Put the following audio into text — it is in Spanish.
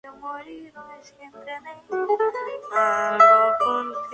Para ellos tomó como base textos de la Biblia del Rey Jacobo.